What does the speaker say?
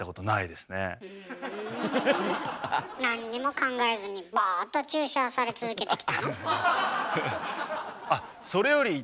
なんにも考えずにボーっと注射され続けてきたの？